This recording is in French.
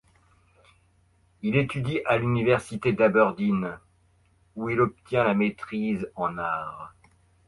Il étudie à l'Université d'Aberdeen, où il obtient la maîtrise en arts.